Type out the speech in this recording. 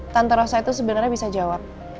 tante rosa itu sebenernya bisa jawab